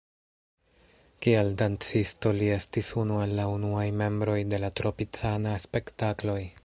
Kiel dancisto li estis unu el la unuaj membroj de la Tropicana-Spektakloj.